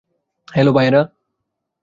Hello, ভায়েরা।